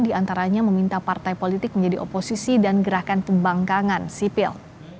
di antaranya meminta partai politik menjadi oposisi dan gerakan pembangkangan sipil